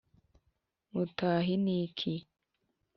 mutʽah ni iki?